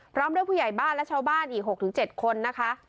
พร้อมด้วยผู้ใหญ่บ้านและชาวบ้านอีก๖๗คนนะคะ